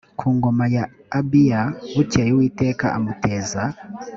ku ngoma ya abiya bukeye uwiteka amuteza